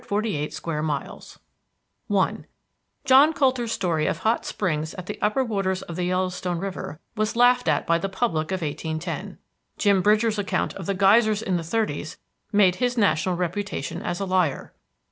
AREA, 3,348 SQUARE MILES I John Coulter's story of hot springs at the upper waters of the Yellowstone River was laughed at by the public of 1810. Jim Bridger's account of the geysers in the thirties made his national reputation as a liar.